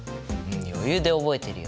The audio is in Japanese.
余裕で覚えてるよ。